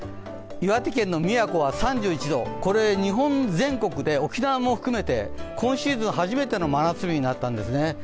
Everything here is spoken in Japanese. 岩手県の宮古は３１度、これは日本全国で、沖縄も含めて今シーズン初めての真夏日になったんですね。